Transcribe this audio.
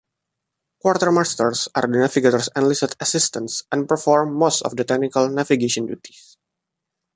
Quartermasters are the navigator's enlisted assistants and perform most of the technical navigation duties.